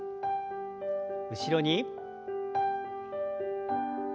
後ろに。